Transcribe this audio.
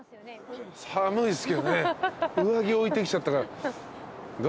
寒いっすけどね上着置いてきちゃったから。